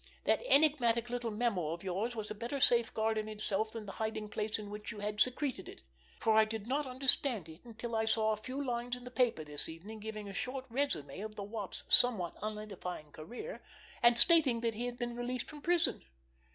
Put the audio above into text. That enigmatic little memo of yours was a better safeguard in itself than the hiding place in which you had secreted it, for I did not understand it until I saw a few lines in the paper this evening giving a short résumé of the Wop's somewhat unedifying career, and stating that he had been released from prison.